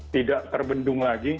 tidak terbendung lagi